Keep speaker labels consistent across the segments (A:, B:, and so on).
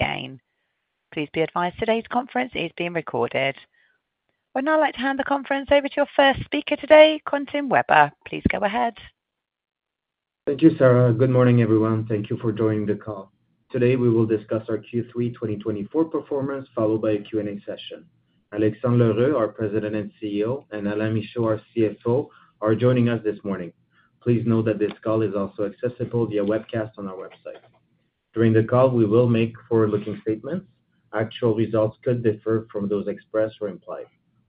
A: Again. Please be advised, today's conference is being recorded. I'd now like to hand the conference over to your first speaker today, Quentin Weber. Please go ahead.
B: Thank you, Sarah. Good morning, everyone. Thank you for joining the call. Today, we will discuss our Q3 2024 performance, followed by a Q&A session. Alexandre L'Heureux, our President and CEO, and Alain Michaud, our CFO, are joining us this morning. Please note that this call is also accessible via webcast on our website. During the call, we will make forward-looking statements. Actual results could differ from those expressed or implied.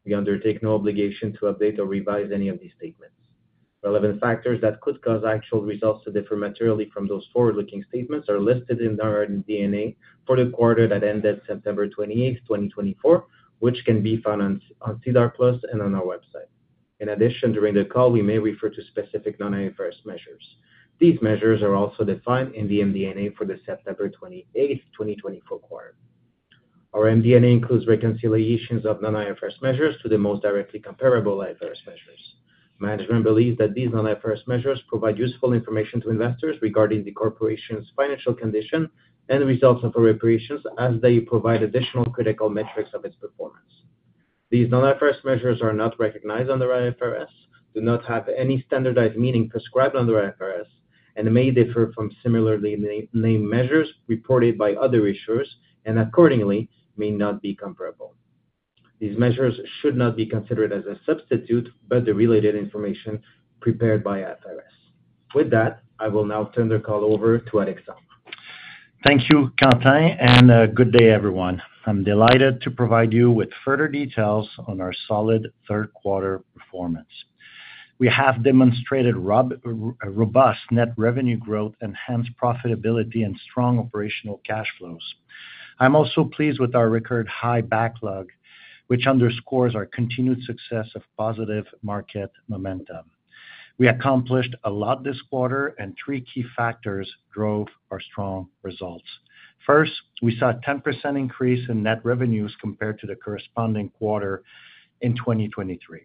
B: We undertake no obligation to update or revise any of these statements. Relevant factors that could cause actual results to differ materially from those forward-looking statements are listed in our MD&A for the quarter that ended September 28, 2024, which can be found on SEDAR+ and on our website. In addition, during the call, we may refer to specific non-IFRS measures. These measures are also defined in the MD&A for the September 28, 2024 quarter. Our MD&A includes reconciliations of non-IFRS measures to the most directly comparable IFRS measures. Management believes that these non-IFRS measures provide useful information to investors regarding the corporation's financial condition and results of our operations, as they provide additional critical metrics of its performance. These non-IFRS measures are not recognized under IFRS, do not have any standardized meaning prescribed under IFRS, and may differ from similarly named measures reported by other issuers, and accordingly, may not be comparable. These measures should not be considered as a substitute for the related information prepared by IFRS. With that, I will now turn the call over to Alexandre.
C: Thank you, Quentin, and good day, everyone. I'm delighted to provide you with further details on our solid third-quarter performance. We have demonstrated robust net revenue growth, enhanced profitability, and strong operational cash flows. I'm also pleased with our record high backlog, which underscores our continued success of positive market momentum. We accomplished a lot this quarter, and three key factors drove our strong results. First, we saw a 10% increase in net revenues compared to the corresponding quarter in 2023.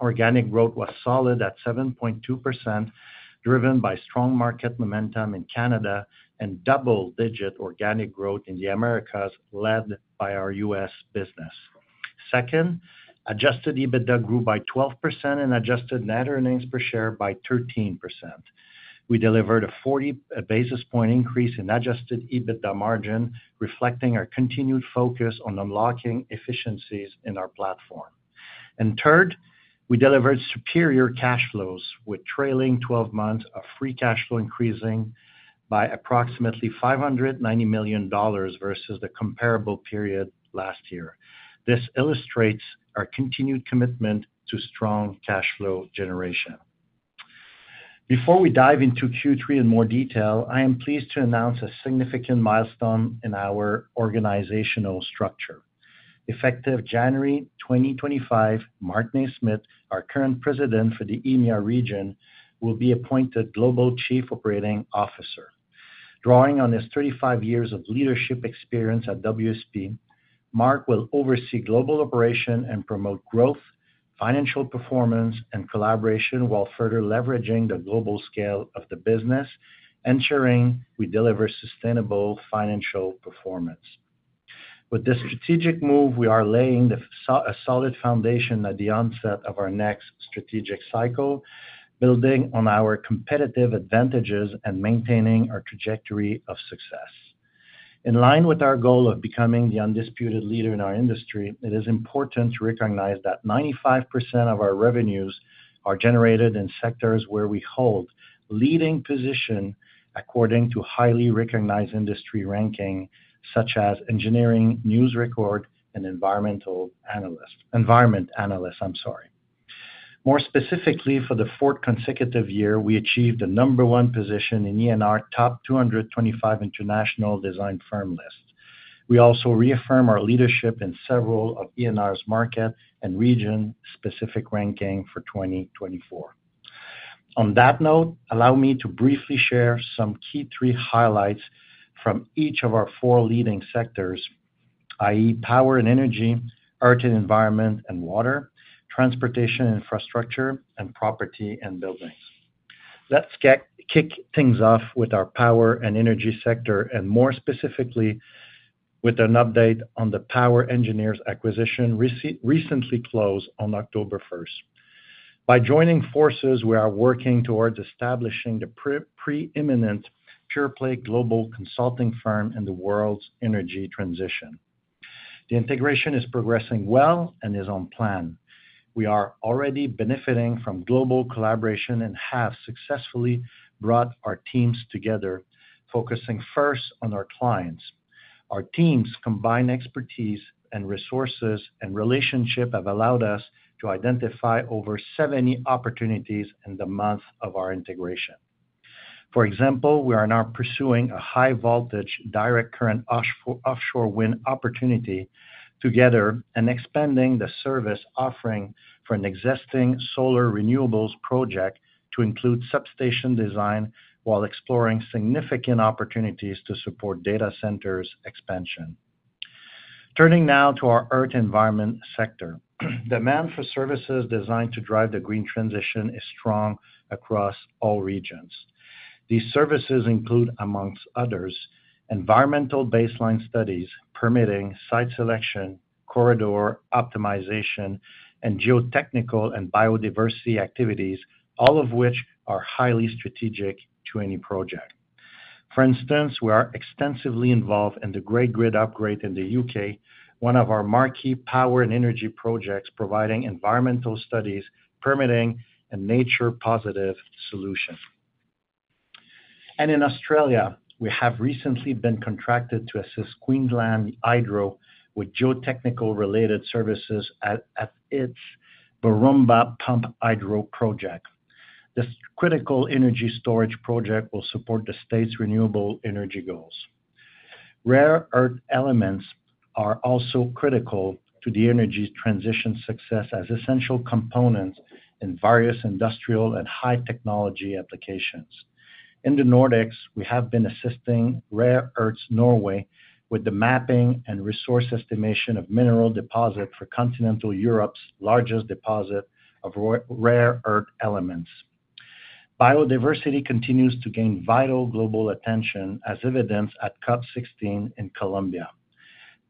C: Organic growth was solid at 7.2%, driven by strong market momentum in Canada and double-digit organic growth in the Americas, led by our U.S. business. Second, adjusted EBITDA grew by 12% and adjusted net earnings per share by 13%. We delivered a 40 basis point increase in adjusted EBITDA margin, reflecting our continued focus on unlocking efficiencies in our platform. Third, we delivered superior cash flows, with trailing 12 months of free cash flow increasing by approximately 590 million dollars versus the comparable period last year. This illustrates our continued commitment to strong cash flow generation. Before we dive into Q3 in more detail, I am pleased to announce a significant milestone in our organizational structure. Effective January 2025, Mark Naysmith, our current President for the EMEA region, will be appointed Global Chief Operating Officer. Drawing on his 35 years of leadership experience at WSP, Mark will oversee global operations and promote growth, financial performance, and collaboration while further leveraging the global scale of the business, ensuring we deliver sustainable financial performance. With this strategic move, we are laying a solid foundation at the onset of our next strategic cycle, building on our competitive advantages and maintaining our trajectory of success. In line with our goal of becoming the undisputed leader in our industry, it is important to recognize that 95% of our revenues are generated in sectors where we hold leading position according to highly recognized industry rankings, such as Engineering News-Record, and Environment Analyst. More specifically, for the fourth consecutive year, we achieved the number one position in ENR Top 225 International Design Firm list. We also reaffirm our leadership in several of ENR's market and region-specific rankings for 2024. On that note, allow me to briefly share some key three highlights from each of our four leading sectors, i.e., power and energy, earth and environment and water, transportation and infrastructure, and property and buildings. Let's kick things off with our power and energy sector, and more specifically, with an update on the POWER Engineers acquisition recently closed on October 1st. By joining forces, we are working towards establishing the preeminent pure-play global consulting firm in the world's energy transition. The integration is progressing well and is on plan. We are already benefiting from global collaboration and have successfully brought our teams together, focusing first on our clients. Our teams combine expertise and resources, and relationships have allowed us to identify over 70 opportunities in the month of our integration. For example, we are now pursuing a high-voltage direct current offshore wind opportunity together and expanding the service offering for an existing solar renewables project to include substation design while exploring significant opportunities to support data centers expansion. Turning now to our earth environment sector, demand for services designed to drive the green transition is strong across all regions. These services include, among others, environmental baseline studies, permitting, site selection, corridor optimization, and geotechnical and biodiversity activities, all of which are highly strategic to any project. For instance, we are extensively involved in the Great Grid Upgrade in the U.K., one of our marquee power and energy projects providing environmental studies, permitting, and nature-positive solutions. In Australia, we have recently been contracted to assist Queensland Hydro with geotechnical-related services at its Borumba Pumped Hydro project. This critical energy storage project will support the state's renewable energy goals. Rare earth elements are also critical to the energy transition success as essential components in various industrial and high-technology applications. In the Nordics, we have been assisting Rare Earths Norway with the mapping and resource estimation of mineral deposits for continental Europe's largest deposit of rare earth elements. Biodiversity continues to gain vital global attention, as evidenced at COP16 in Colombia.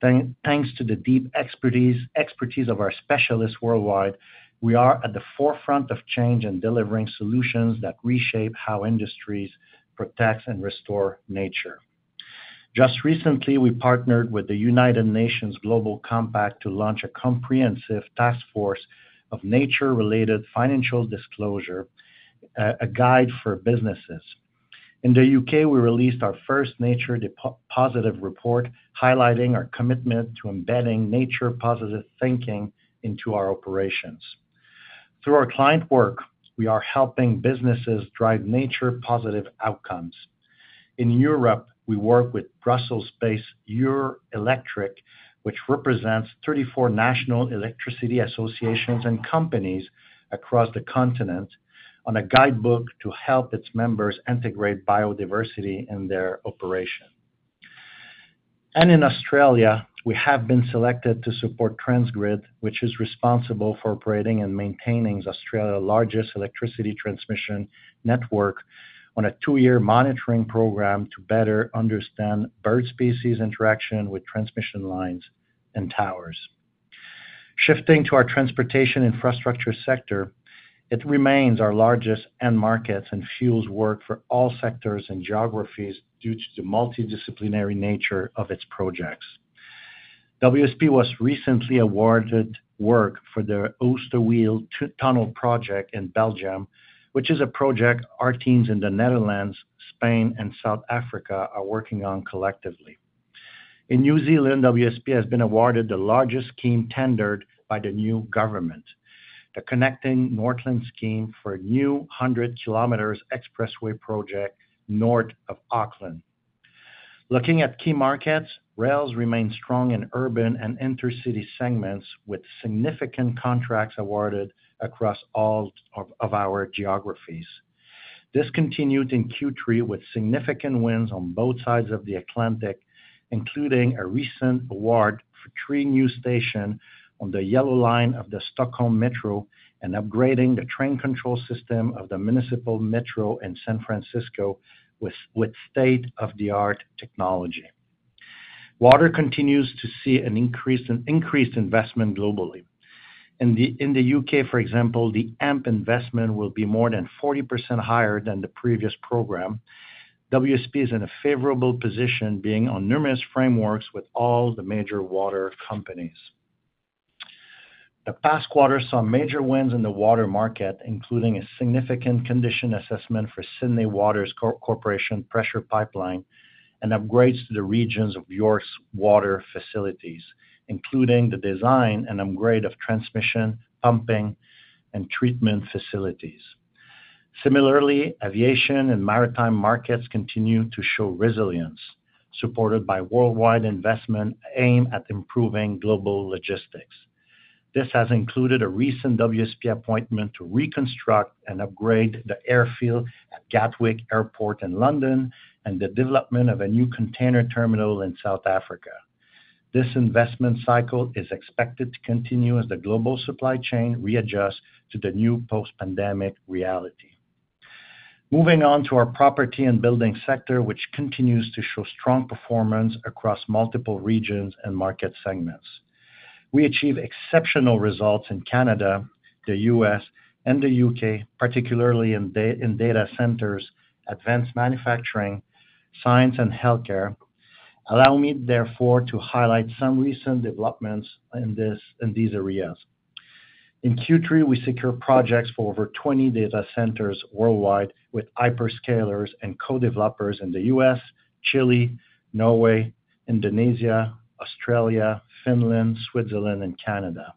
C: Thanks to the deep expertise of our specialists worldwide, we are at the forefront of change and delivering solutions that reshape how industries protect and restore nature. Just recently, we partnered with the United Nations Global Compact to launch a comprehensive Taskforce on Nature-related Financial Disclosures, a guide for businesses. In the U.K., we released our first nature-positive report, highlighting our commitment to embedding nature-positive thinking into our operations. Through our client work, we are helping businesses drive nature-positive outcomes. In Europe, we work with Brussels-based Eurelectric, which represents 34 national electricity associations and companies across the continent, on a guidebook to help its members integrate biodiversity in their operation. In Australia, we have been selected to support Transgrid, which is responsible for operating and maintaining Australia's largest electricity transmission network on a two-year monitoring program to better understand bird species interaction with transmission lines and towers. Shifting to our transportation infrastructure sector, it remains our largest end market and fuels work for all sectors and geographies due to the multidisciplinary nature of its projects. WSP was recently awarded work for their Oosterweel Tunnel project in Belgium, which is a project our teams in the Netherlands, Spain, and South Africa are working on collectively. In New Zealand, WSP has been awarded the largest scheme tendered by the new government, the Connecting Northland Scheme for a new 100-kilometer expressway project north of Auckland. Looking at key markets, rails remain strong in urban and intercity segments, with significant contracts awarded across all of our geographies. This continued in Q3 with significant wins on both sides of the Atlantic, including a recent award for three new stations on the Yellow Line of the Stockholm Metro and upgrading the train control system of the municipal metro in San Francisco with state-of-the-art technology. Water continues to see an increased investment globally. In the U.K., for example, the AMP investment will be more than 40% higher than the previous program. WSP is in a favorable position, being on numerous frameworks with all the major water companies. The past quarter saw major wins in the water market, including a significant condition assessment for Sydney Water Corporation's pressure pipeline and upgrades to the York Region's water facilities, including the design and upgrade of transmission, pumping, and treatment facilities. Similarly, aviation and maritime markets continue to show resilience, supported by worldwide investment aimed at improving global logistics. This has included a recent WSP appointment to reconstruct and upgrade the airfield at Gatwick Airport in London and the development of a new container terminal in South Africa. This investment cycle is expected to continue as the global supply chain readjusts to the new post-pandemic reality. Moving on to our property and building sector, which continues to show strong performance across multiple regions and market segments. We achieve exceptional results in Canada, the U.S., and the U.K., particularly in data centers, advanced manufacturing, science, and healthcare. Allow me, therefore, to highlight some recent developments in these areas. In Q3, we secured projects for over 20 data centers worldwide with hyperscalers and co-developers in the U.S., Chile, Norway, Indonesia, Australia, Finland, Switzerland, and Canada.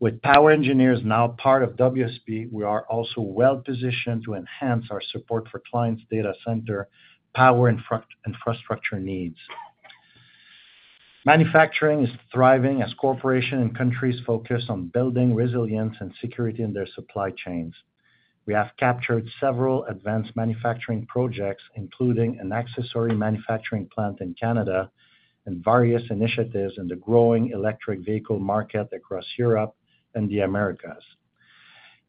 C: With POWER Engineers now part of WSP, we are also well-positioned to enhance our support for clients' data center power and infrastructure needs. Manufacturing is thriving as corporations and countries focus on building resilience and security in their supply chains. We have captured several advanced manufacturing projects, including an accessory manufacturing plant in Canada and various initiatives in the growing electric vehicle market across Europe and the Americas.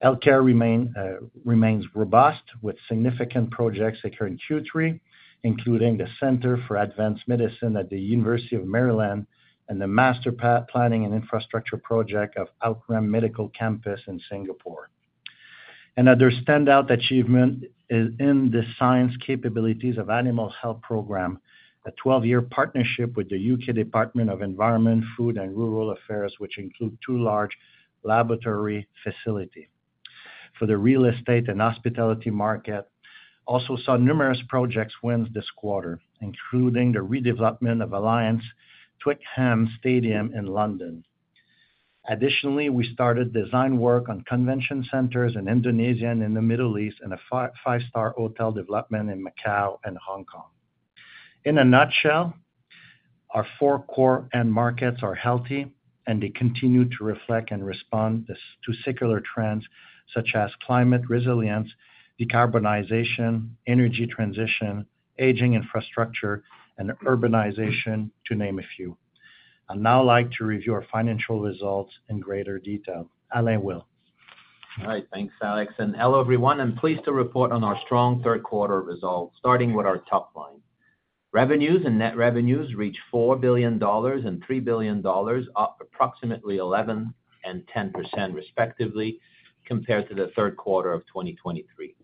C: Healthcare remains robust, with significant projects occurring Q3, including the Center for Advanced Medicine at the University of Maryland and the master planning and infrastructure project of Outram Medical Campus in Singapore. Another standout achievement is in the science capabilities of the animal health program, a 12-year partnership with the U.K. Department for Environment, Food and Rural Affairs, which includes two large laboratory facilities. For the real estate and hospitality market, we also saw numerous project wins this quarter, including the redevelopment of Allianz Twickenham Stadium in London. Additionally, we started design work on convention centers in Indonesia and in the Middle East and a five-star hotel development in Macau and Hong Kong. In a nutshell, our four core end markets are healthy, and they continue to reflect and respond to secular trends such as climate resilience, decarbonization, energy transition, aging infrastructure, and urbanization, to name a few. I'd now like to review our financial results in greater detail. Alain will.
D: All right. Thanks, Alex, and hello, everyone. I'm pleased to report on our strong third-quarter results, starting with our top line. Revenues and net revenues reached 4 billion dollars and 3 billion dollars, up approximately 11% and 10%, respectively, compared to the third quarter of 2023.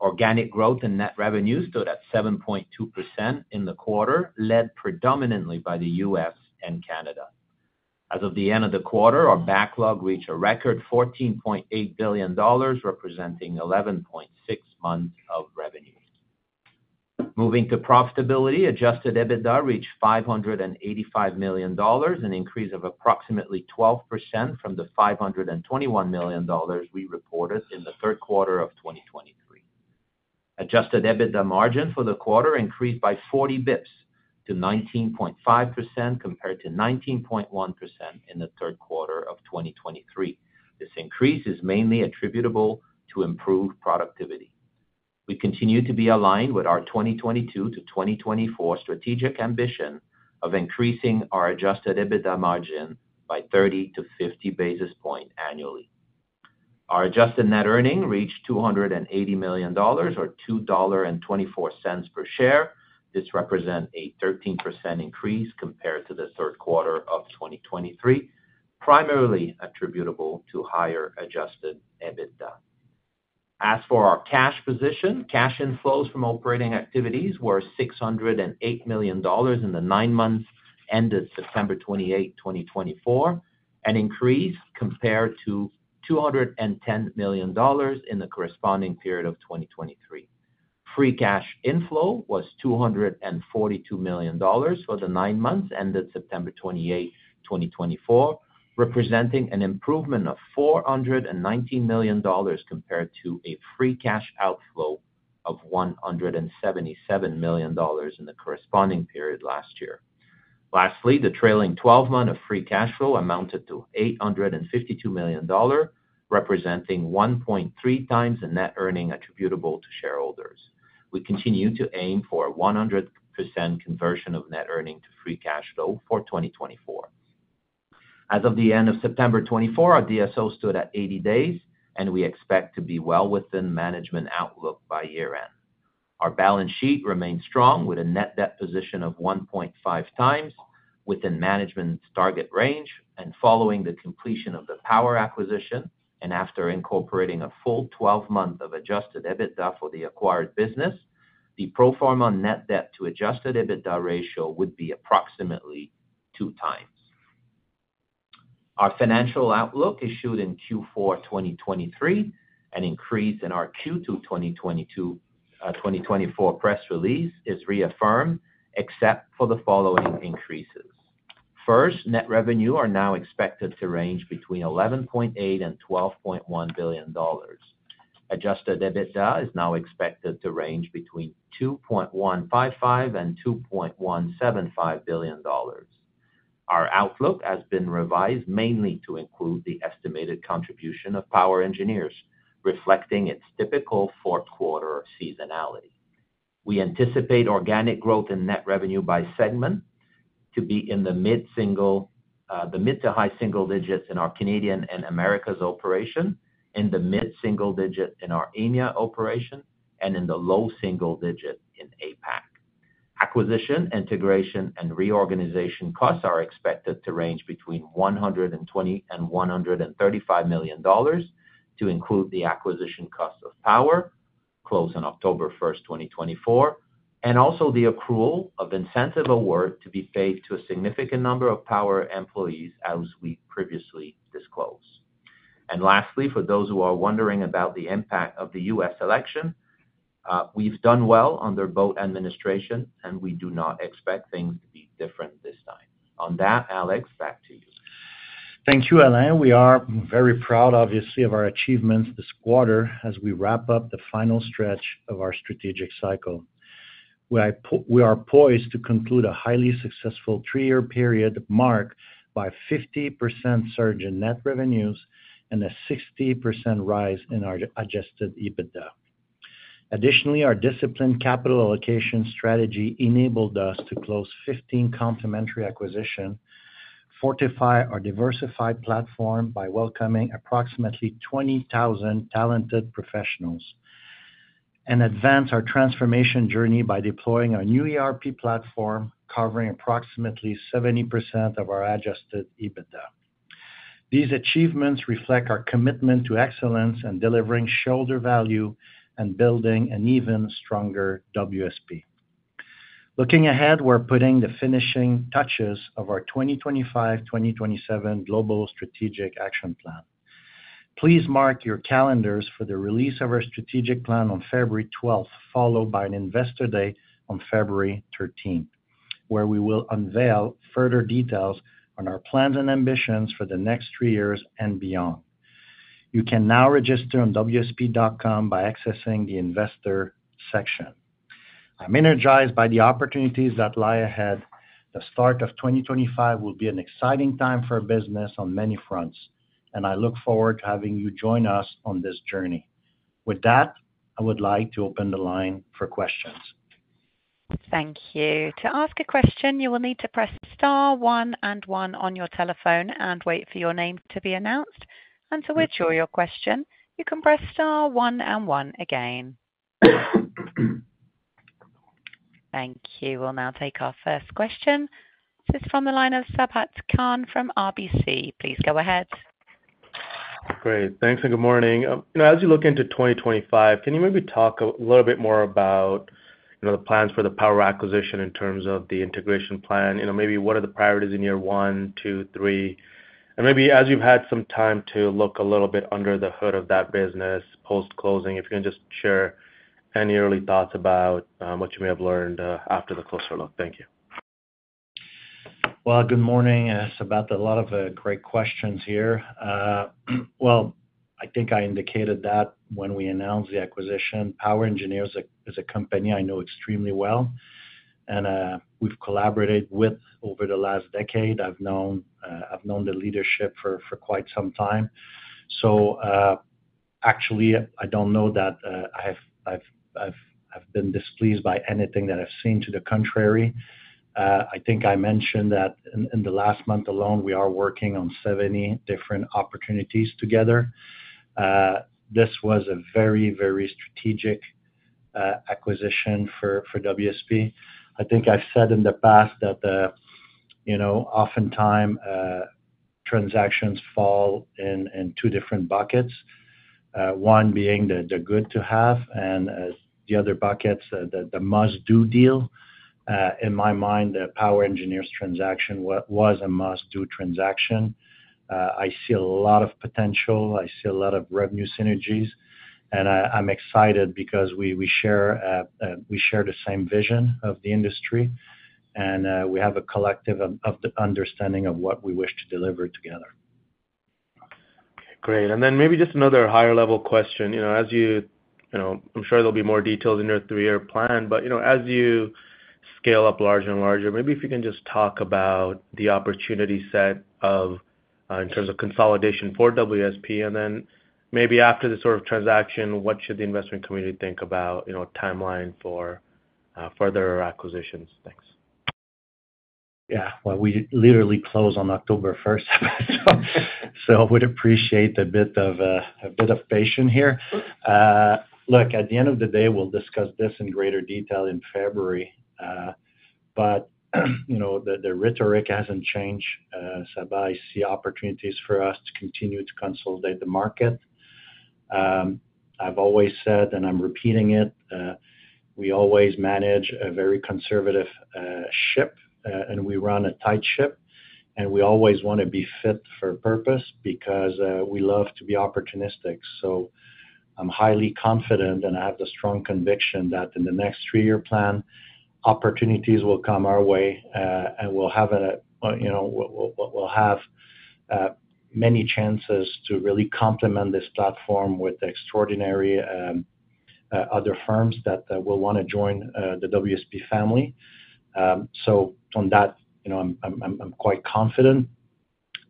D: Organic growth and net revenues stood at 7.2% in the quarter, led predominantly by the U.S. and Canada. As of the end of the quarter, our backlog reached a record 14.8 billion dollars, representing 11.6 months of revenue. Moving to profitability, adjusted EBITDA reached 585 million dollars, an increase of approximately 12% from the 521 million dollars we reported in the third quarter of 2023. Adjusted EBITDA margin for the quarter increased by 40 basis points to 19.5%, compared to 19.1% in the third quarter of 2023. This increase is mainly attributable to improved productivity. We continue to be aligned with our 2022-2024 strategic ambition of increasing our adjusted EBITDA margin by 30-50 basis points annually. Our adjusted net earnings reached 280 million dollars, or 2.24 dollar per share. This represents a 13% increase compared to the third quarter of 2023, primarily attributable to higher adjusted EBITDA. As for our cash position, cash inflows from operating activities were 608 million dollars in the nine months ended September 28, 2024, an increase compared to 210 million dollars in the corresponding period of 2023. Free cash inflow was 242 million dollars for the nine months ended September 28, 2024, representing an improvement of 419 million dollars compared to a free cash outflow of 177 million dollars in the corresponding period last year. Lastly, the trailing 12 months of free cash flow amounted to 852 million dollars, representing 1.3X the net earnings attributable to shareholders.. We continue to aim for a 100% conversion of net earnings to free cash flow for 2024. As of the end of September 24, our DSO stood at 80 days, and we expect to be well within management outlook by year-end. Our balance sheet remains strong with a net debt position of 1.5x within management's target range. Following the completion of the POWER acquisition and after incorporating a full 12 months of adjusted EBITDA for the acquired business, the pro forma net debt to adjusted EBITDA ratio would be approximately two times. Our financial outlook issued in Q4 2023 and increased in our Q2 2024 press release is reaffirmed, except for the following increases. First, net revenue is now expected to range between 11.8 billion and 12.1 billion dollars. Adjusted EBITDA is now expected to range between 2.155 billion and 2.175 billion dollars. Our outlook has been revised mainly to include the estimated contribution of POWER Engineers, reflecting its typical fourth-quarter seasonality. We anticipate organic growth in net revenue by segment to be in the mid to high single digits in our Canadian and Americas operation, in the mid single digit in our EMEA operation, and in the low single digit in APAC. Acquisition, integration, and reorganization costs are expected to range between 120 and 135 million dollars to include the acquisition cost of POWER, closed on October 1st, 2024, and also the accrual of incentive awards to be paid to a significant number of POWER employees, as we previously disclosed, and lastly, for those who are wondering about the impact of the U.S. election, we've done well under both administrations, and we do not expect things to be different this time. On that, Alex, back to you.
C: Thank you, Alain. We are very proud, obviously, of our achievements this quarter as we wrap up the final stretch of our strategic cycle. We are poised to conclude a highly successful three-year period marked by a 50% surge in net revenues and a 60% rise in our adjusted EBITDA. Additionally, our disciplined capital allocation strategy enabled us to close 15 complementary acquisitions, fortify our diversified platform by welcoming approximately 20,000 talented professionals, and advance our transformation journey by deploying our new ERP platform, covering approximately 70% of our adjusted EBITDA. These achievements reflect our commitment to excellence in delivering shareholder value and building an even stronger WSP. Looking ahead, we're putting the finishing touches on our 2025-2027 Global Strategic Action Plan. Please mark your calendars for the release of our strategic plan on February 12, followed by an investor day on February 13, where we will unveil further details on our plans and ambitions for the next three years and beyond. You can now register on wsp.com by accessing the investor section. I'm energized by the opportunities that lie ahead. The start of 2025 will be an exciting time for our business on many fronts, and I look forward to having you join us on this journey. With that, I would like to open the line for questions.
A: Thank you. To ask a question, you will need to press star one and one on your telephone and wait for your name to be announced. And to withdraw your question, you can press star one and one again. Thank you. We'll now take our first question. This is from the line of Sabahat Khan from RBC. Please go ahead.
E: Great. Thanks, and good morning. As you look into 2025, can you maybe talk a little bit more about the plans for the power acquisition in terms of the integration plan? Maybe what are the priorities in year one, two, three? Maybe as you've had some time to look a little bit under the hood of that business post-closing, if you can just share any early thoughts about what you may have learned after the closer look? Thank you.
C: Good morning. Sabahat, a lot of great questions here. I think I indicated that when we announced the acquisition. POWER Engineers is a company I know extremely well, and we've collaborated with over the last decade. I've known the leadership for quite some time. So actually, I don't know that I've been displeased by anything that I've seen. To the contrary, I think I mentioned that in the last month alone, we are working on 70 different opportunities together. This was a very, very strategic acquisition for WSP. I think I've said in the past that oftentimes transactions fall in two different buckets, one being the good-to-have and the other buckets the must-do deal. In my mind, the POWER Engineers transaction was a must-do transaction. I see a lot of potential. I see a lot of revenue synergies, and I'm excited because we share the same vision of the industry, and we have a collective understanding of what we wish to deliver together.
E: Great. And then maybe just another higher-level question. I'm sure there'll be more details in your three-year plan, but as you scale up larger and larger, maybe if you can just talk about the opportunity set in terms of consolidation for WSP, and then maybe after the sort of transaction, what should the investment community think about, timeline for further acquisitions? Thanks.
C: Yeah. We literally close on October 1st, so I would appreciate a bit of patience here. Look, at the end of the day, we'll discuss this in greater detail in February, but the rhetoric hasn't changed. Sabahat, I see opportunities for us to continue to consolidate the market. I've always said, and I'm repeating it, we always manage a very conservative ship, and we run a tight ship, and we always want to be fit for purpose because we love to be opportunistic. So I'm highly confident, and I have the strong conviction that in the next three-year plan, opportunities will come our way, and we'll have many chances to really complement this platform with extraordinary other firms that will want to join the WSP family. So on that, I'm quite confident,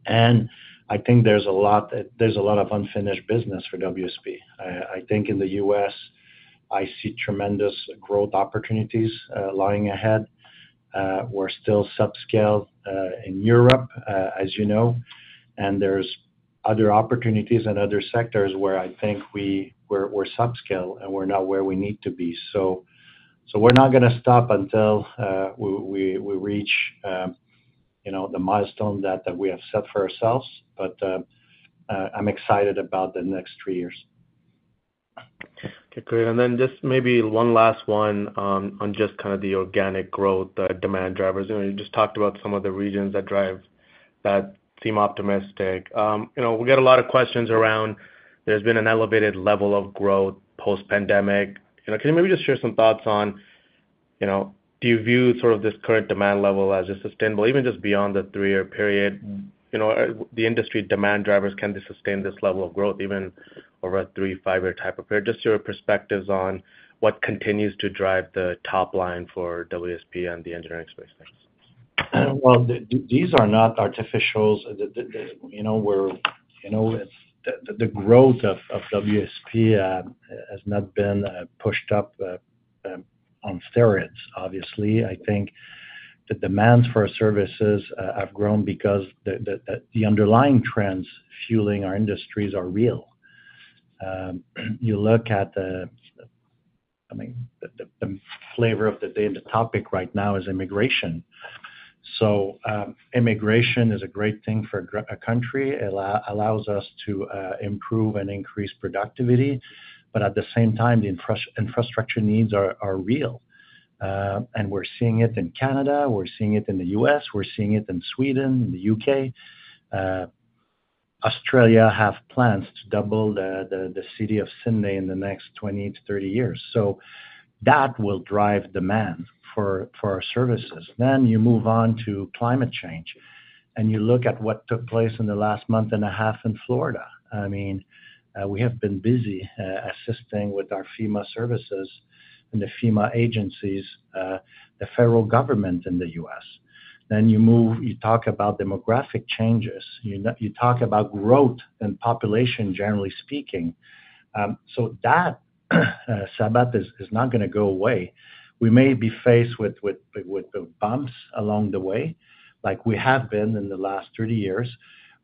C: and I think there's a lot of unfinished business for WSP. I think in the U.S., I see tremendous growth opportunities lying ahead. We're still subscale in Europe, as you know, and there's other opportunities in other sectors where I think we're subscale and we're not where we need to be. So we're not going to stop until we reach the milestone that we have set for ourselves, but I'm excited about the next three years.
E: Okay. Great. And then just maybe one last one on just kind of the organic growth demand drivers. You just talked about some of the regions that drive that seem optimistic. We get a lot of questions around there's been an elevated level of growth post-pandemic. Can you maybe just share some thoughts on do you view sort of this current demand level as sustainable, even just beyond the three-year period? The industry demand drivers, can they sustain this level of growth even over a three- to five-year type of period? Just your perspectives on what continues to drive the top line for WSP and the engineering space. Thanks.
C: Well, these are not artificial. The growth of WSP has not been pushed up on steroids, obviously. I think the demands for our services have grown because the underlying trends fueling our industries are real. You look at the flavor of the day, and the topic right now is immigration. So immigration is a great thing for a country. It allows us to improve and increase productivity, but at the same time, the infrastructure needs are real. And we're seeing it in Canada. We're seeing it in the U.S. We're seeing it in Sweden, the U.K. Australia has plans to double the city of Sydney in the next 20 to 30 years. So that will drive demand for our services. Then you move on to climate change, and you look at what took place in the last month and a half in Florida. I mean, we have been busy assisting with our FEMA services and the FEMA agencies, the federal government in the U.S. Then you talk about demographic changes. You talk about growth and population, generally speaking. So that, Sabahat, is not going to go away. We may be faced with bumps along the way, like we have been in the last 30 years,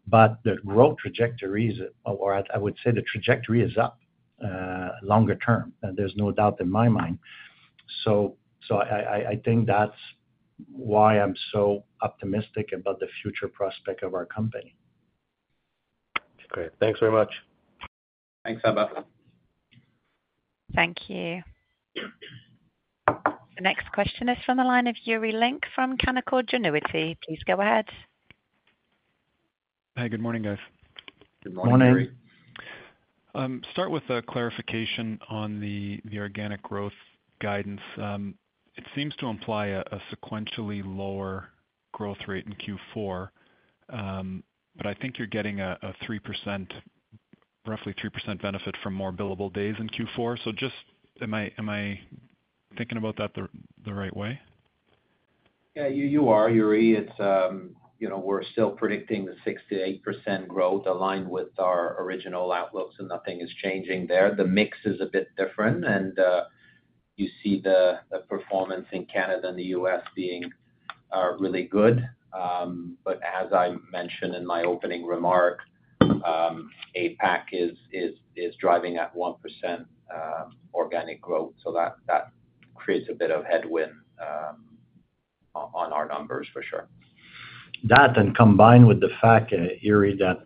C: but the growth trajectory is, or I would say the trajectory is up longer term. There's no doubt in my mind. So I think that's why I'm so optimistic about the future prospect of our company.
E: Okay. Great. Thanks very much.
C: Thanks, Sabahat.
A: Thank you.T he next question is from the line of Yuri Lynk from Canaccord Genuity. Please go ahead.
F: Hi. Good morning, guys.
C: Good morning.
D: Morning.
F: Start with a clarification on the organic growth guidance. It seems to imply a sequentially lower growth rate in Q4, but I think you're getting a roughly 3% benefit from more billable days in Q4. So just am I thinking about that the right way?
D: Yeah. You are, Yuri. We're still predicting the 6% to 8% growth aligned with our original outlooks, and nothing is changing there. The mix is a bit different, and you see the performance in Canada and the U.S. being really good. But as I mentioned in my opening remark, APAC is driving at 1% organic growth. So that creates a bit of headwind on our numbers, for sure.
C: That, and combined with the fact, Yuri, that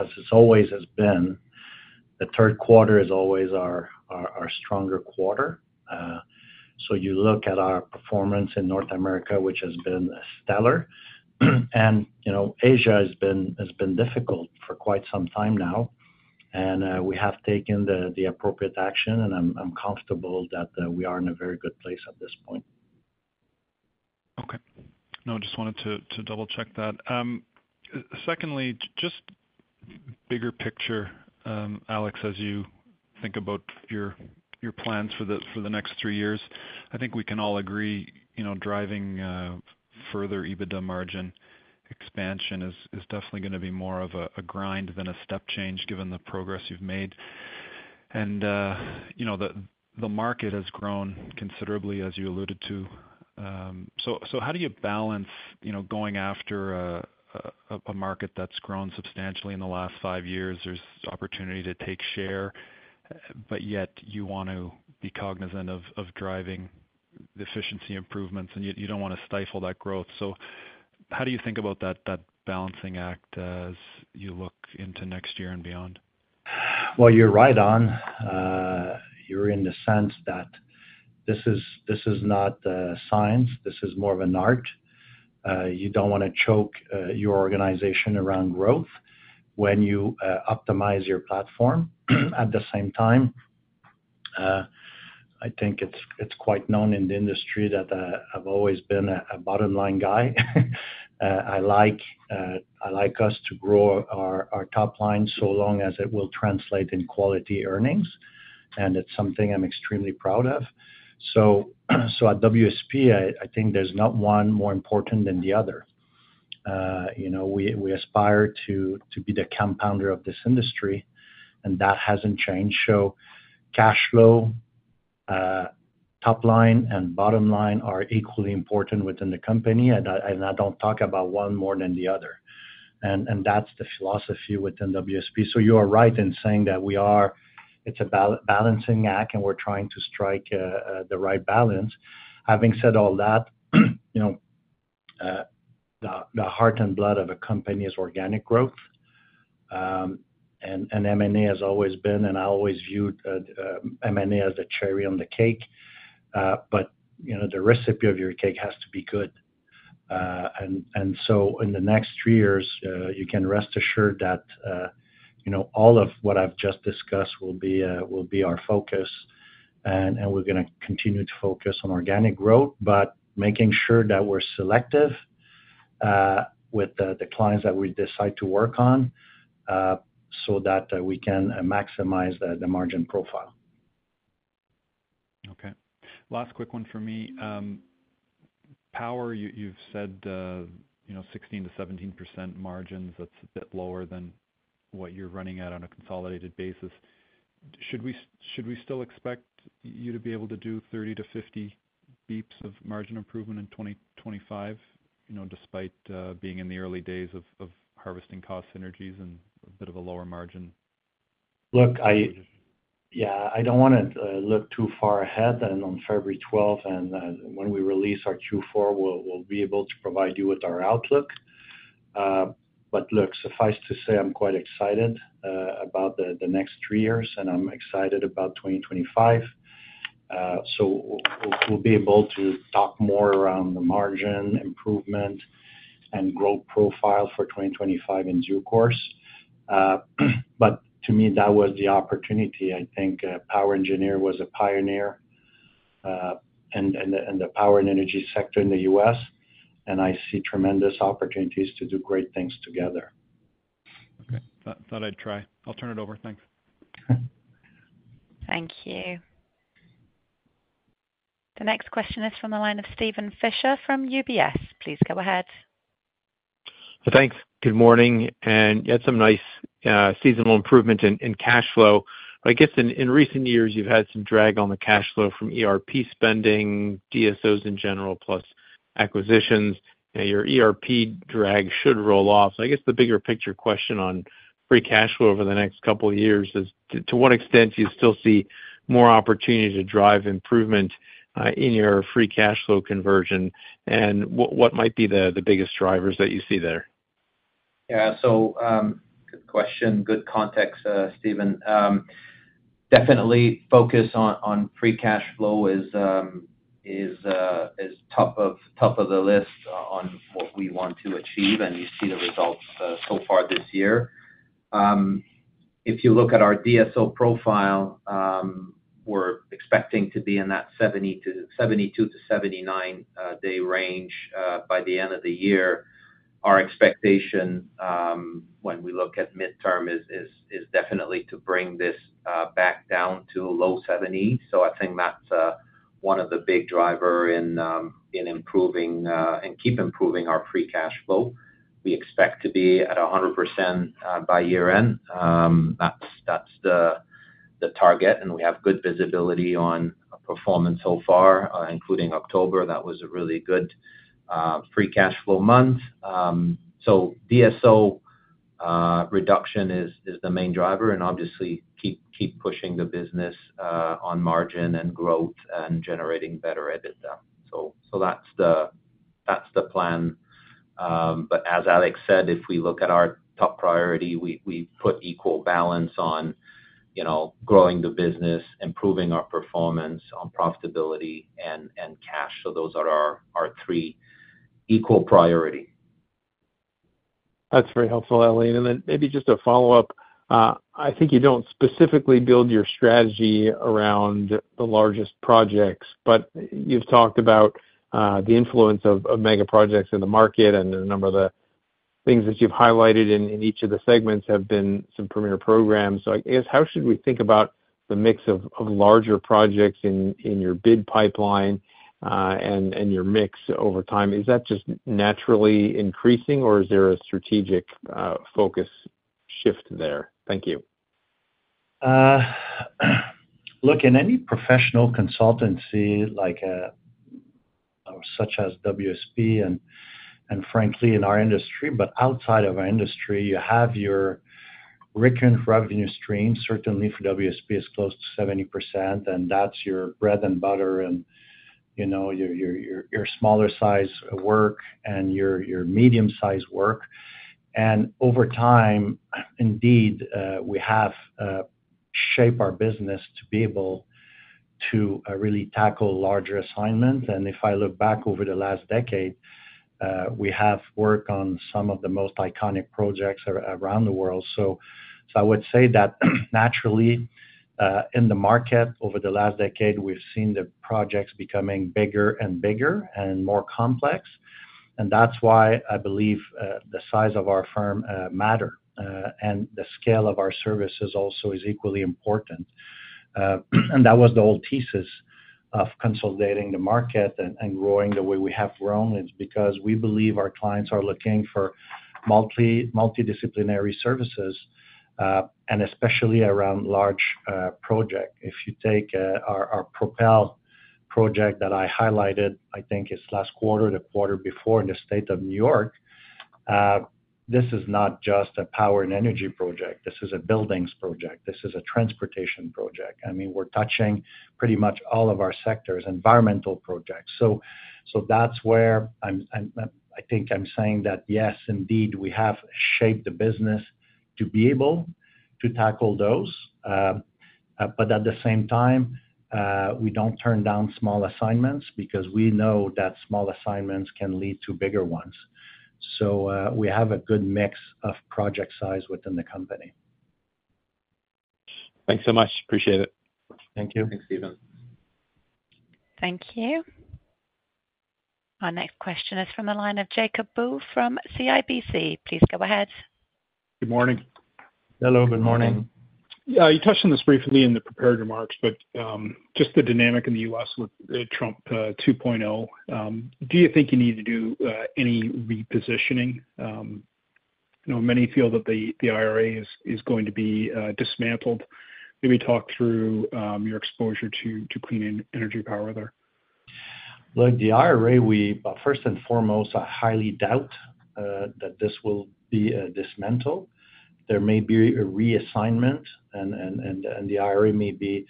C: as it always has been, the third quarter is always our stronger quarter. So you look at our performance in North America, which has been stellar, and Asia has been difficult for quite some time now, and we have taken the appropriate action, and I'm comfortable that we are in a very good place at this point.
F: Okay. No, I just wanted to double-check that. Secondly, just bigger picture, Alex, as you think about your plans for the next three years, I think we can all agree driving further EBITDA margin expansion is definitely going to be more of a grind than a step change given the progress you've made, and the market has grown considerably, as you alluded to, so how do you balance going after a market that's grown substantially in the last five years? There's opportunity to take share, but yet you want to be cognizant of driving the efficiency improvements, and you don't want to stifle that growth. So how do you think about that balancing act as you look into next year and beyond?
C: Well, you're right on. In the sense that this is not science. This is more of an art. You don't want to choke your organization around growth when you optimize your platform. At the same time, I think it's quite known in the industry that I've always been a bottom-line guy. I like us to grow our top line so long as it will translate into quality earnings, and it's something I'm extremely proud of. So at WSP, I think there's not one more important than the other. We aspire to be the compounder of this industry, and that hasn't changed. So cash flow, top line, and bottom line are equally important within the company, and I don't talk about one more than the other. And that's the philosophy within WSP. So you are right in saying that it's a balancing act, and we're trying to strike the right balance. Having said all that, the heart and blood of a company is organic growth, and M&A has always been, and I always viewed M&A as the cherry on the cake. But the recipe of your cake has to be good. And so in the next three years, you can rest assured that all of what I've just discussed will be our focus, and we're going to continue to focus on organic growth, but making sure that we're selective with the clients that we decide to work on so that we can maximize the margin profile.
F: Okay. Last quick one for me. How are, you've said 16%-17% margins. That's a bit lower than what you're running at on a consolidated basis. Should we still expect you to be able to do 30 to 50 basis points of margin improvement in 2025 despite being in the early days of harvesting cost synergies and a bit of a lower margin?
C: Look, yeah, I don't want to look too far ahead, and on February 12, when we release our Q4, we'll be able to provide you with our outlook. But look, suffice to say, I'm quite excited about the next three years, and I'm excited about 2025, so we'll be able to talk more around the margin improvement and growth profile for 2025 in due course. But to me, that was the opportunity. I think POWER Engineers was a pioneer in the power and energy sector in the U.S., and I see tremendous opportunities to do great things together. Okay.
F: Thought I'd try. I'll turn it over. Thanks.
A: Thank you. The next question is from the line of Steven Fisher from UBS. Please go ahead.
G: Thanks. Good morning, and you had some nice seasonal improvement in cash flow. I guess in recent years, you've had some drag on the cash flow from ERP spending, DSOs in general, plus acquisitions. Your ERP drag should roll off. So I guess the bigger picture question on free cash flow over the next couple of years is to what extent do you still see more opportunity to drive improvement in your free cash flow conversion, and what might be the biggest drivers that you see there?
D: Yeah, so good question. Good context, Steven. Definitely, focus on free cash flow is top of the list on what we want to achieve, and you see the results so far this year. If you look at our DSO profile, we're expecting to be in that 72-79-day range by the end of the year. Our expectation when we look at midterm is definitely to bring this back down to low 70, so I think that's one of the big drivers in keeping improving our free cash flow. We expect to be at 100% by year-end. That's the target, and we have good visibility on performance so far, including October. That was a really good free cash flow month, so DSO reduction is the main driver, and obviously, keep pushing the business on margin and growth and generating better EBITDA. So that's the plan. But as Alex said, if we look at our top priority, we put equal balance on growing the business, improving our performance, on profitability, and cash, so those are our three equal priorities.
G: That's very helpful, Alain, and then maybe just a follow-up. I think you don't specifically build your strategy around the largest projects, but you've talked about the influence of mega projects in the market, and a number of the things that you've highlighted in each of the segments have been some premier programs, so I guess how should we think about the mix of larger projects in your bid pipeline and your mix over time? Is that just naturally increasing, or is there a strategic focus shift there?
D: Thank you. Look, in any professional consultancy such as WSP and, frankly, in our industry, but outside of our industry, you have your recurrent revenue stream. Certainly, for WSP, it's close to 70%, and that's your bread and butter and your smaller-sized work and your medium-sized work. And over time, indeed, we have shaped our business to be able to really tackle larger assignments. And if I look back over the last decade, we have worked on some of the most iconic projects around the world. So I would say that naturally, in the market, over the last decade, we've seen the projects becoming bigger and bigger and more complex. And that's why I believe the size of our firm matters, and the scale of our services also is equally important. And that was the whole thesis of consolidating the market and growing the way we have grown. It's because we believe our clients are looking for multidisciplinary services, and especially around large projects. If you take our Propel project that I highlighted, I think it's last quarter, the quarter before in the state of New York, this is not just a power and energy project. This is a buildings project. This is a transportation project. I mean, we're touching pretty much all of our sectors, environmental projects. So that's where I think I'm saying that, yes, indeed, we have shaped the business to be able to tackle those. But at the same time, we don't turn down small assignments because we know that small assignments can lead to bigger ones. So we have a good mix of project size within the company.
G: Thanks so much. Appreciate it.
D: Thank you. Thanks, Steven.
A: Thank you. Our next question is from the line of Jacob Bout from CIBC. Please go ahead.
H: Good morning.
C: Hello. Good morning.
H: Yeah. You touched on this briefly in the prepared remarks, but just the dynamic in the U.S. with Trump 2.0, do you think you need to do any repositioning? Many feel that the IRA is going to be dismantled. Maybe talk through your exposure to clean energy power there.
C: Look, the IRA, first and foremost, I highly doubt that this will be a dismantle. There may be a reassignment, and the IRA may be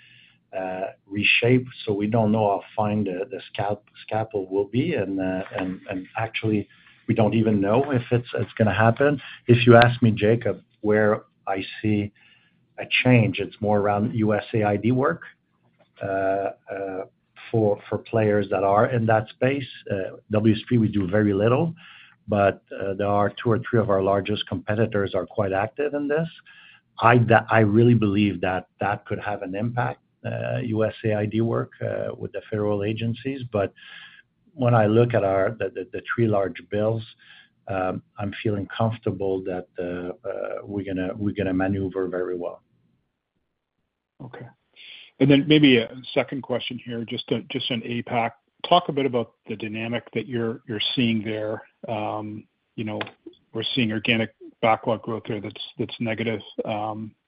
C: reshaped. So we don't know how fine the scaffold will be. And actually, we don't even know if it's going to happen. If you ask me, Jacob, where I see a change, it's more around USAID work for players that are in that space. WSP, we do very little, but there are two or three of our largest competitors who are quite active in this. I really believe that that could have an impact. USAID work with the federal agencies. But when I look at the three large bills, I'm feeling comfortable that we're going to maneuver very well.
H: Okay, and then maybe a second question here, just on APAC. Talk a bit about the dynamic that you're seeing there. We're seeing organic backlog growth there that's negative.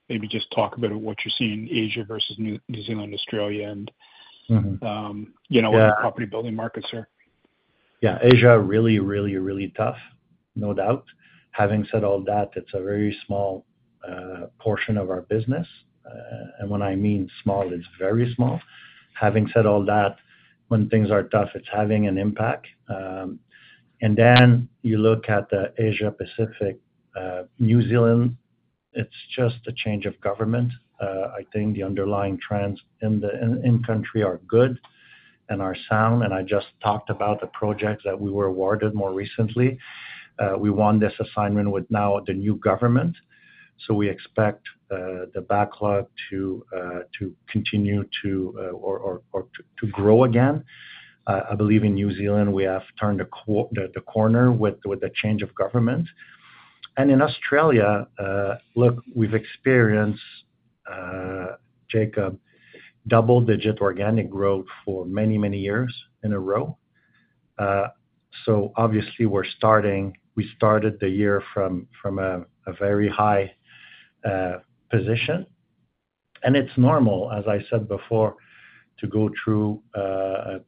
H: Maybe just talk a bit about what you're seeing in Asia versus New Zealand, Australia, and where the property building markets are.
C: Yeah. Asia is really, really, really tough, no doubt. Having said all that, it's a very small portion of our business. And when I mean small, it's very small. Having said all that, when things are tough, it's having an impact, and then you look at the Asia-Pacific, New Zealand. It's just a change of government. I think the underlying trends in the in-country are good and are sound, and I just talked about the projects that we were awarded more recently. We won this assignment with now the new government, so we expect the backlog to continue to or to grow again. I believe in New Zealand we have turned the corner with the change of government, and in Australia, look, we've experienced, Jacob, double-digit organic growth for many, many years in a row, so obviously we started the year from a very high position, and it's normal, as I said before, to go through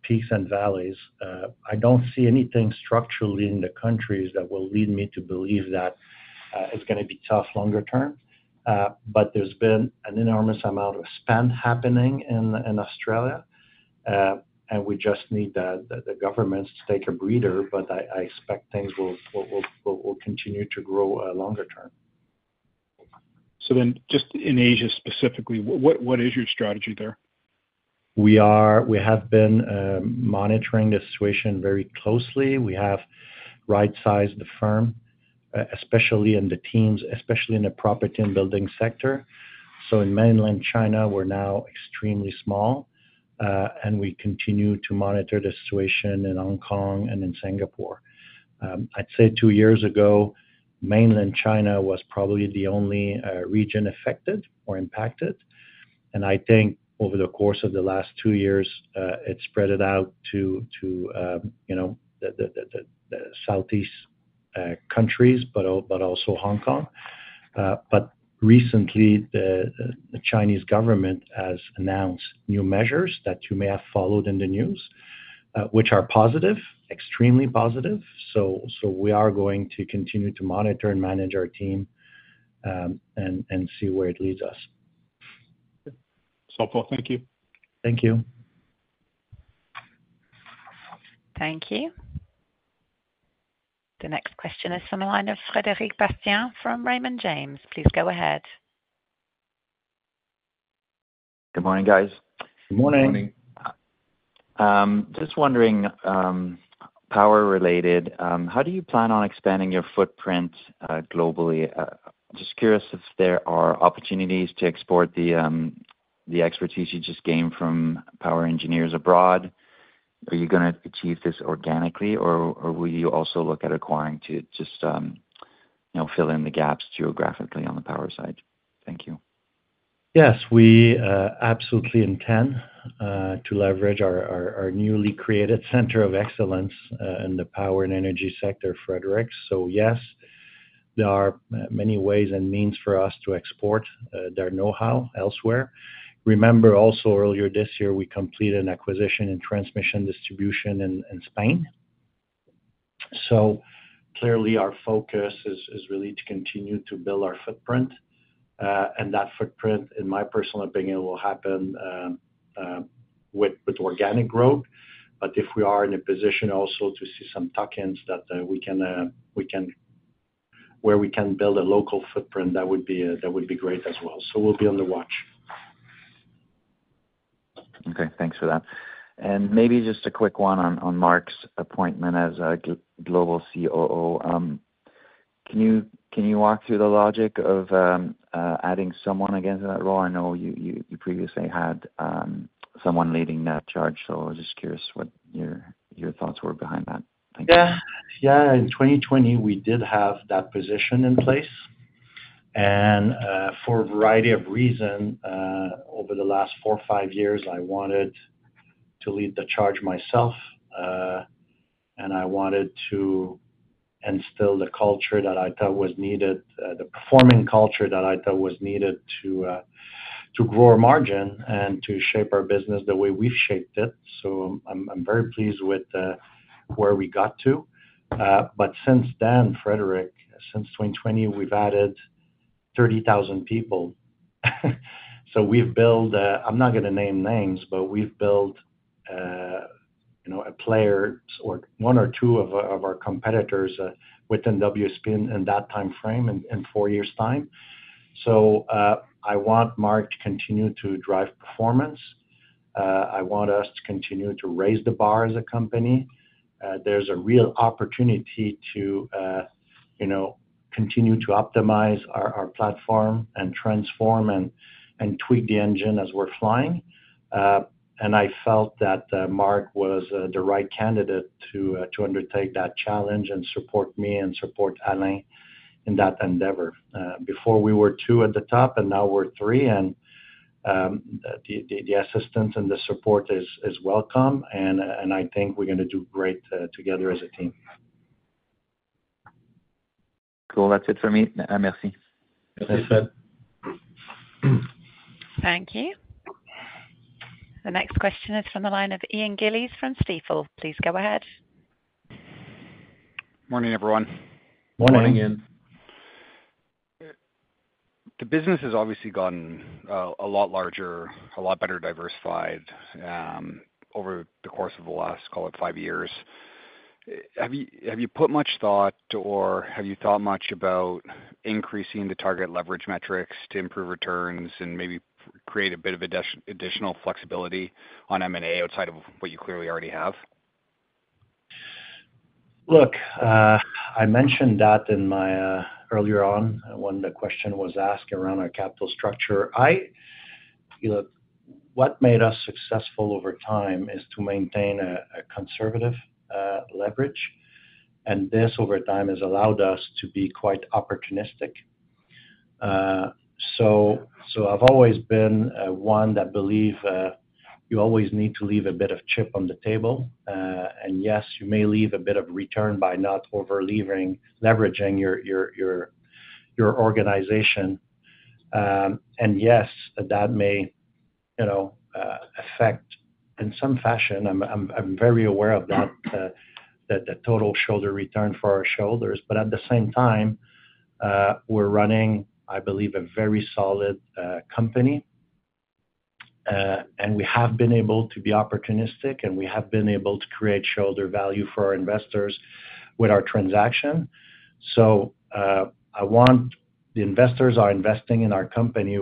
C: peaks and valleys. I don't see anything structurally in the countries that will lead me to believe that it's going to be tough longer term, but there's been an enormous amount of spend happening in Australia, and we just need the governments to take a breather. I expect things will continue to grow longer term.
H: Just in Asia specifically, what is your strategy there?
C: We have been monitoring the situation very closely. We have right-sized the firm, especially in the teams, especially in the property and building sector. In Mainland China, we're now extremely small, and we continue to monitor the situation in Hong Kong and in Singapore. I'd say two years ago, Mainland China was probably the only region affected or impacted. I think over the course of the last two years, it spread out to the Southeast countries, but also Hong Kong. Recently, the Chinese government has announced new measures that you may have followed in the news, which are positive, extremely positive. We are going to continue to monitor and manage our team and see where it leads us.
H: So far, thank you.
C: Thank you.
A: Thank you. The next question is from the line of Frederic Bastien from Raymond James. Please go ahead.
I: Good morning, guys.
C: Good morning.
D: Good morning.
I: Just wondering, power-related, how do you plan on expanding your footprint globally? Just curious if there are opportunities to export the expertise you just gained from POWER Engineers abroad. Are you going to achieve this organically, or will you also look at acquiring to just fill in the gaps geographically on the power side? Thank you.
C: Yes, we absolutely intend to leverage our newly created center of excellence in the power and energy sector, Frederic. So yes, there are many ways and means for us to export their know-how elsewhere. Remember, also earlier this year, we completed an acquisition in transmission distribution in Spain. So clearly, our focus is really to continue to build our footprint. And that footprint, in my personal opinion, will happen with organic growth. But if we are also in a position to see some tuck-ins where we can build a local footprint, that would be great as well. So we'll be on the watch.
I: Okay. Thanks for that. And maybe just a quick one on Mark's appointment as Global COO. Can you walk through the logic of adding someone again to that role? I know you previously had someone leading that charge. So I was just curious what your thoughts were behind that. Thank you.
C: Yeah. Yeah. In 2020, we did have that position in place. For a variety of reasons, over the last four or five years, I wanted to lead the charge myself, and I wanted to instill the culture that I thought was needed, the performing culture that I thought was needed to grow our margin and to shape our business the way we've shaped it. I'm very pleased with where we got to. Since then, Frederic, since 2020, we've added 30,000 people. We've built, I'm not going to name names, but we've built a player or one or two of our competitors within WSP in that time frame in four years' time. I want Mark to continue to drive performance. I want us to continue to raise the bar as a company. There's a real opportunity to continue to optimize our platform and transform and tweak the engine as we're flying. I felt that Mark was the right candidate to undertake that challenge and support me and support Alain in that endeavor. Before, we were two at the top, and now we're three. And the assistance and the support is welcome, and I think we're going to do great together as a team.
I: Cool. That's it for me. Merci. Merci.
A: Thank you. The next question is from the line of Ian Gillies from Stifel. Please go ahead.
J: Morning, everyone.
C: Morning.
D: Morning, Ian.
J: The business has obviously gotten a lot larger, a lot better diversified over the course of the last, call it, five years. Have you put much thought, or have you thought much about increasing the target leverage metrics to improve returns and maybe create a bit of additional flexibility on M&A outside of what you clearly already have?
C: Look, I mentioned that earlier on when the question was asked around our capital structure. What made us successful over time is to maintain a conservative leverage, and this, over time, has allowed us to be quite opportunistic. So I've always been one that believes you always need to leave a bit of chips on the table. And yes, you may leave a bit of return by not over-leveraging your organization. And yes, that may affect in some fashion. I'm very aware of that, the total shareholder return for our shareholders. But at the same time, we're running, I believe, a very solid company. And we have been able to be opportunistic, and we have been able to create shareholder value for our investors with our transaction. So, I want the investors who are investing in our company.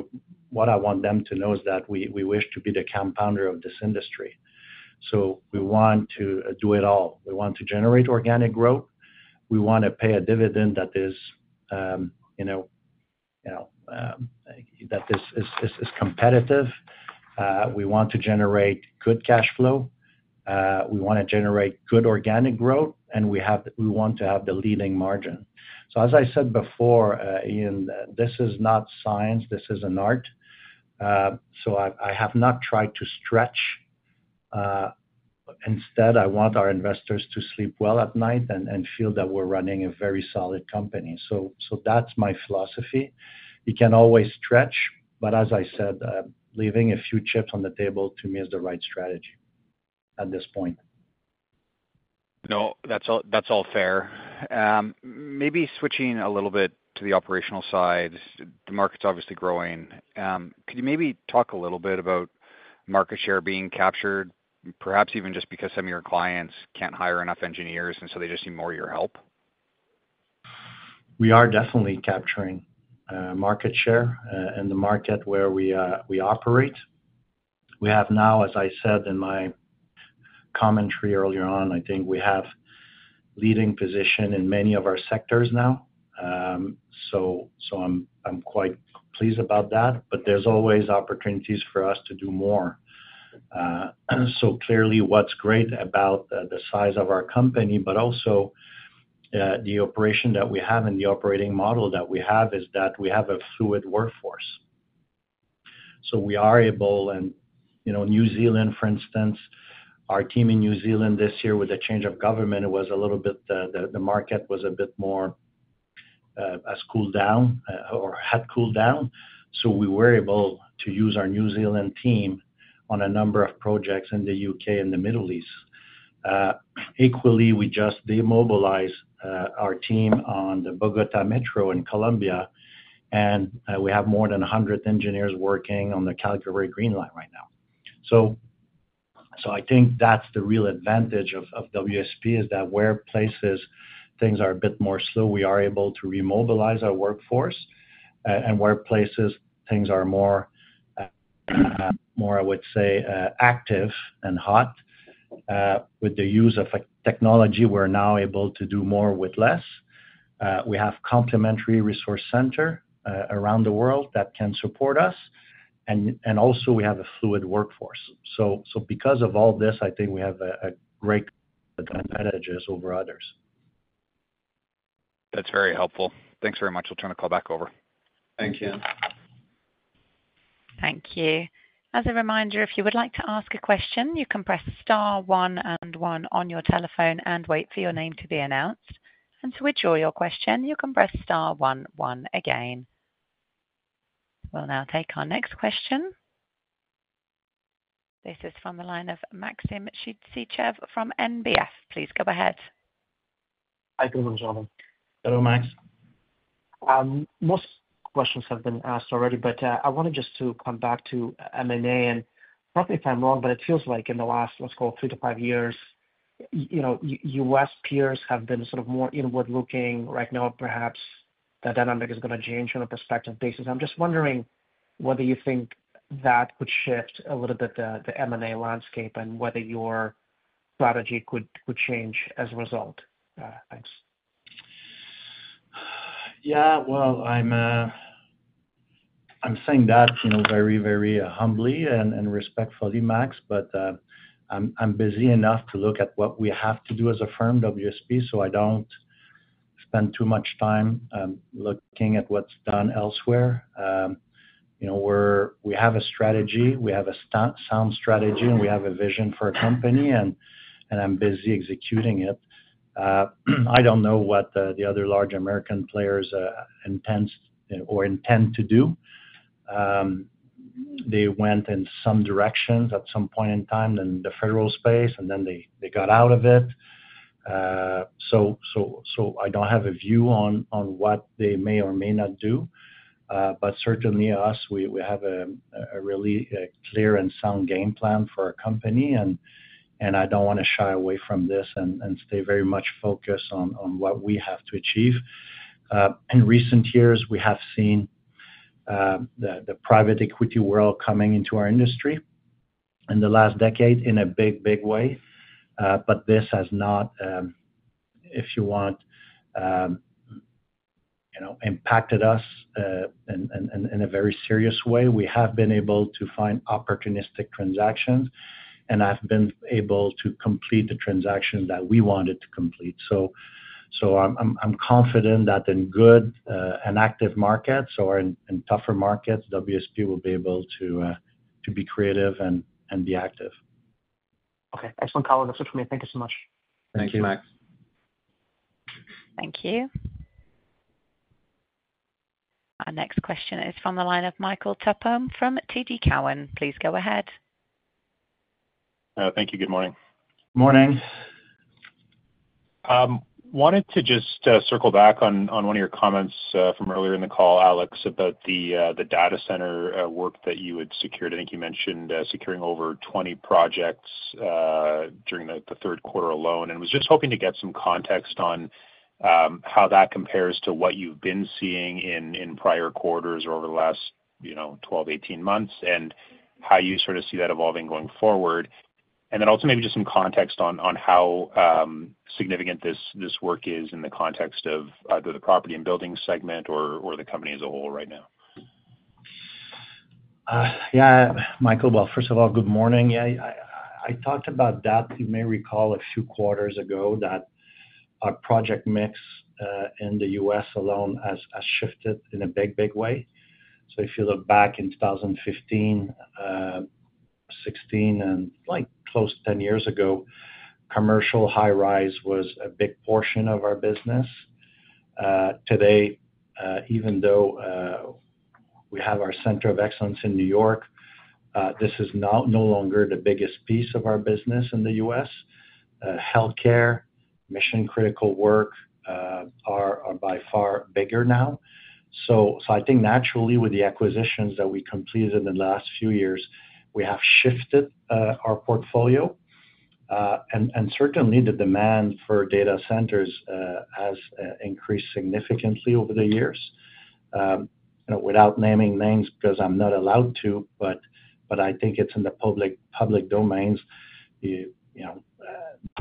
C: What I want them to know is that we wish to be the compounder of this industry. So we want to do it all. We want to generate organic growth. We want to pay a dividend that is competitive. We want to generate good cash flow. We want to generate good organic growth, and we want to have the leading margin. So as I said before, Ian, this is not science. This is an art. So I have not tried to stretch. Instead, I want our investors to sleep well at night and feel that we're running a very solid company. So that's my philosophy. You can always stretch, but as I said, leaving a few chips on the table, to me, is the right strategy at this point.
J: No, that's all fair. Maybe switching a little bit to the operational side, the market's obviously growing. Could you maybe talk a little bit about market share being captured, perhaps even just because some of your clients can't hire enough engineers, and so they just need more of your help?
C: We are definitely capturing market share in the market where we operate. We have now, as I said in my commentary earlier on, I think we have a leading position in many of our sectors now. So I'm quite pleased about that. But there's always opportunities for us to do more. So clearly, what's great about the size of our company, but also the operation that we have and the operating model that we have, is that we have a fluid workforce. So we are able, and New Zealand, for instance, our team in New Zealand this year, with the change of government, it was a little bit, the market was a bit more cooled down or had cooled down. So we were able to use our New Zealand team on a number of projects in the U.K. and the Middle East. Equally, we just demobilized our team on the Bogotá Metro in Colombia, and we have more than 100 engineers working on the Calgary Green Line right now. So I think that's the real advantage of WSP, is that where places things are a bit more slow, we are able to remobilize our workforce. And where places things are more, I would say, active and hot, with the use of technology, we're now able to do more with less. We have a complementary resource center around the world that can support us. And also, we have a fluid workforce. So because of all this, I think we have a great advantage over others.
J: That's very helpful. Thanks very much. I'll turn the call back over. Thank you.
A: Thank you. As a reminder, if you would like to ask a question, you can press star, one, and one on your telephone and wait for your name to be announced. And to withdraw your question, you can press star, one, one again. We'll now take our next question. This is from the line of Maxim Sytchev from NBF. Please go ahead.
K: Hi, good morning.
C: Hello, Max.
K: Most questions have been asked already, but I wanted just to come back to M&A. And correct me if I'm wrong, but it feels like in the last, let's call it, three to five years, your WSP peers have been sort of more inward-looking. Right now, perhaps that dynamic is going to change on a perspective basis. I'm just wondering whether you think that could shift a little bit the M&A landscape and whether your strategy could change as a result. Thanks.
C: Yeah. Well, I'm saying that very, very humbly and respectfully, Max, but I'm busy enough to look at what we have to do as a firm, WSP, so I don't spend too much time looking at what's done elsewhere. We have a strategy. We have a sound strategy, and we have a vision for a company, and I'm busy executing it. I don't know what the other large American players intend or intend to do. They went in some directions at some point in time, then the federal space, and then they got out of it. So I don't have a view on what they may or may not do. But certainly, us, we have a really clear and sound game plan for our company, and I don't want to shy away from this and stay very much focused on what we have to achieve. In recent years, we have seen the private equity world coming into our industry in the last decade in a big, big way. But this has not, if you want, impacted us in a very serious way. We have been able to find opportunistic transactions, and I've been able to complete the transaction that we wanted to complete. So I'm confident that in good and active markets or in tougher markets, WSP will be able to be creative and be active.
K: Okay. Excellent color. That's it for me. Thank you so much.
C: Thank you, Max.
A: Thank you. Our next question is from the line of Michael Tupholme from TD Cowen. Please go ahead.
L: Thank you. Good morning.
C: Morning.
L: Wanted to just circle back on one of your comments from earlier in the call, Alex, about the data center work that you had secured. I think you mentioned securing over 20 projects during the third quarter alone, and was just hoping to get some context on how that compares to what you've been seeing in prior quarters or over the last 12, 18 months, and how you sort of see that evolving going forward, and then also maybe just some context on how significant this work is in the context of either the property and building segment or the company as a whole right now.
C: Yeah. Michael, well, first of all, good morning. Yeah. I talked about that. You may recall a few quarters ago that our project mix in the U.S. alone has shifted in a big, big way. So if you look back in 2015, 2016, and close to 10 years ago, commercial high-rise was a big portion of our business. Today, even though we have our center of excellence in New York, this is no longer the biggest piece of our business in the U.S., healthcare, mission-critical work are by far bigger now. So I think naturally, with the acquisitions that we completed in the last few years, we have shifted our portfolio. And certainly, the demand for data centers has increased significantly over the years. Without naming names because I'm not allowed to, but I think it's in the public domain.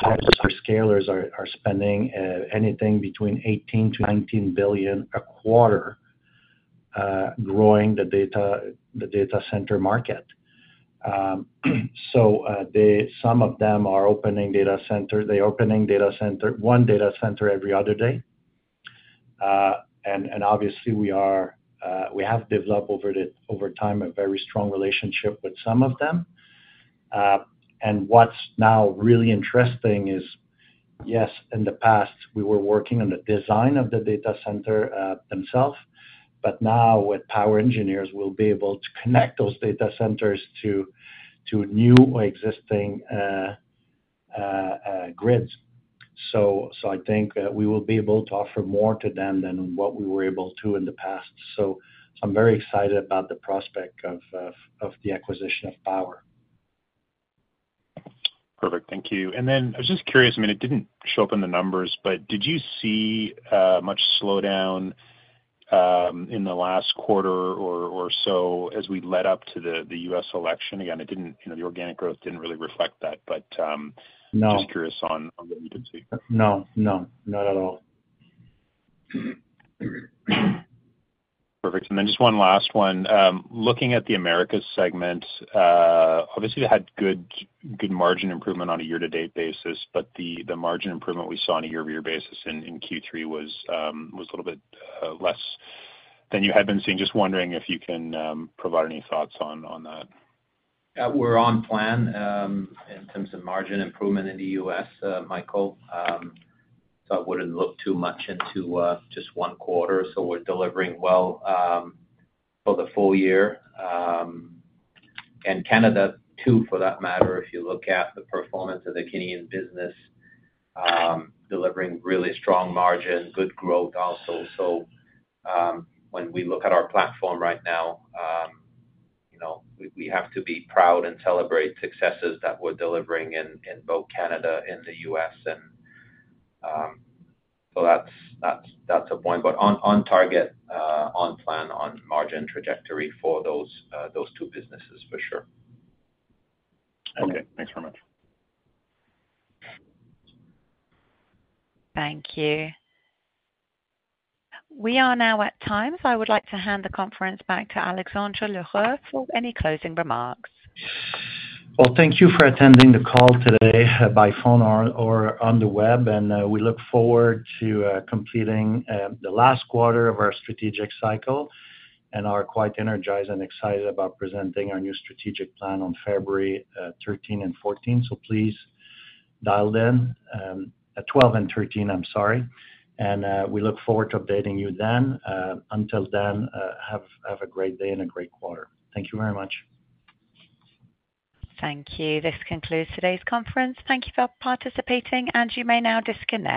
C: Our hyperscalers are spending anything between 18-19 billion a quarter growing the data center market. So some of them are opening data centers. They're opening one data center every other day. And obviously, we have developed over time a very strong relationship with some of them. And what's now really interesting is, yes, in the past, we were working on the design of the data center themselves, but now with POWER Engineers, we'll be able to connect those data centers to new or existing grids. So I think we will be able to offer more to them than what we were able to in the past. So I'm very excited about the prospect of the acquisition of POWER.
L: Perfect. Thank you. And then I was just curious. I mean, it didn't show up in the numbers, but did you see much slowdown in the last quarter or so as we led up to the U.S. election? Again, the organic growth didn't really reflect that, but just curious on what you could see.
C: No. No. Not at all.
L: Perfect. Just one last one. Looking at the Americas segment, obviously, they had good margin improvement on a year-to-date basis, but the margin improvement we saw on a year-to-year basis in Q3 was a little bit less than you had been seeing. Just wondering if you can provide any thoughts on that.
C: We're on plan in terms of margin improvement in the U.S., Michael. I wouldn't look too much into just one quarter. We're delivering well for the full year. Canada, too, for that matter, if you look at the performance of the Canadian business, delivering really strong margin, good growth also. When we look at our platform right now, we have to be proud and celebrate successes that we're delivering in both Canada and the U.S. That's a point. But on target, on plan, on margin trajectory for those two businesses, for sure.
L: Okay. Thanks very much.
A: Thank you. We are now at time. So I would like to hand the conference back to Alexandre L’Heureux for any closing remarks.
C: Well, thank you for attending the call today by phone or on the web, and we look forward to completing the last quarter of our strategic cycle. We are quite energized and excited about presenting our new strategic plan on February 13 and 14. So please dial then at 12 and 13, I'm sorry. And we look forward to updating you then. Until then, have a great day and a great quarter. Thank you very much.
A: Thank you. This concludes today's conference. Thank you for participating, and you may now disconnect.